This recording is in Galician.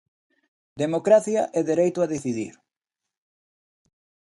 Democracia e dereito a decidir.